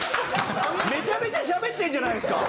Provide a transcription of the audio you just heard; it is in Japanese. めちゃめちゃしゃべってんじゃないですか！